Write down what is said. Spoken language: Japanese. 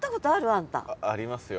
あんた。ありますよ。